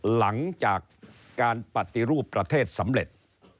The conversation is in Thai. หลังจากการปฏิรูปประเทศสำเร็จ